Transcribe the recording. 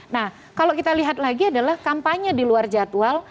nah kalau kita lihat lagi adalah kampanye di luar jadwal